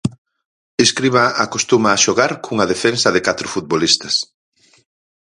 Escribá acostuma a xogar cunha defensa de catro futbolistas.